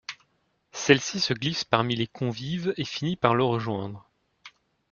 Celle-ci se glisse parmi les convives et finis par le rejoindre.